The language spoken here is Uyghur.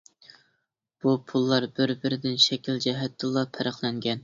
بۇ پۇللار بىر-بىرىدىن شەكىل جەھەتتىنلا پەرقلەنگەن.